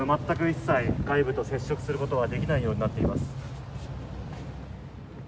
全く一切、外部と接触することはできないようになっています。